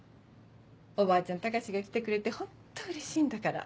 おばあちゃん高志が来てくれてホントうれしいんだから。